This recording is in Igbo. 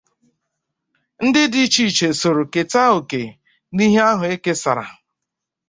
Ndị dị iche iche soro keta òkè n'ihe ahụ e kesàrà